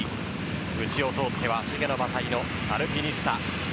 内を通って芦毛の馬体のアルピニスタ。